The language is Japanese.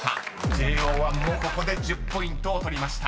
［ＪＯ１もここで１０ポイントを取りました］